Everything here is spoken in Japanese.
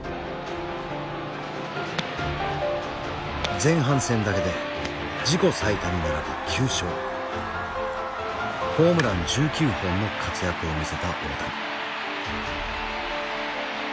前半戦だけで自己最多に並ぶ９勝ホームラン１９本の活躍を見せた大谷。